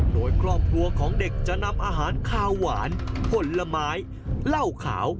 โดยครอบครัวของเด็กจะนำอาหารคาวหวานผลไม้เหล้าขาว